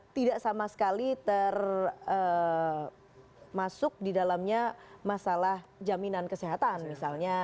tidak sama sekali termasuk di dalamnya masalah jaminan kesehatan misalnya